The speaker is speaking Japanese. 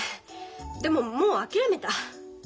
でももう諦めた。